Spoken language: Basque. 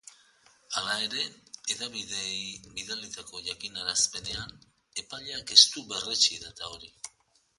Hala ere, hedabideei bidalitako jakinarazpenean, epaileak ez du berretsi data hori.